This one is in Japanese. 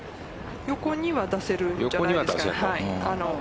横には出せるんじゃないですかね。